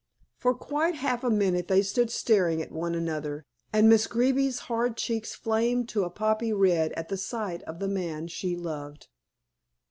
For quite half a minute they stood staring at one another, and Miss Greeby's hard cheeks flamed to a poppy red at the sight of the man she loved.